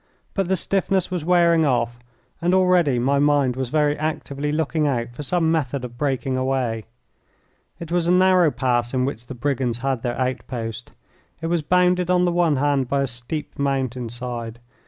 But the stiffness was wearing off, and already my mind was very actively looking out for some method of breaking away. It was a narrow pass in which the brigands had their outpost. It was bounded on the one hand by a steep mountain side.